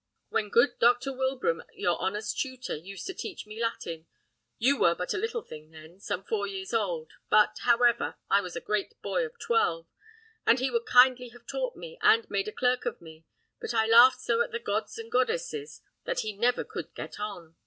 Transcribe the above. When good Dr. Wilbraham, your honour's tutor, used to teach me Latin, you were but a little thing then, some four years old; but, however, I was a great boy of twelve, and he would kindly have taught me, and made a clerk of me; but I laughed so at the gods and goddesses, that he never could get on.